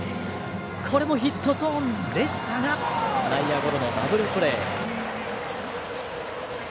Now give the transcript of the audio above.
これもヒットゾーンでしたが内野ゴロのダブルプレー。